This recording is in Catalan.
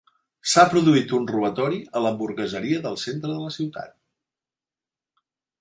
S'ha produït un robatori a l'hamburgueseria del centre de la ciutat.